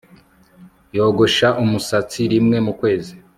yogosha umusatsi rimwe mu kwezi